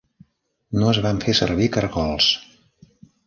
No es van fer servir cargols.